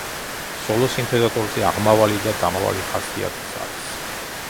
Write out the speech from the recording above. სოლო სინთეზატორზე აღმავალი და დამავალი ხასიათის არის.